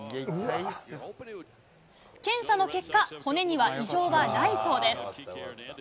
検査の結果、骨には異常はないそうです。